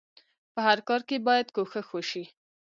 په هر کار کې بايد کوښښ وشئ.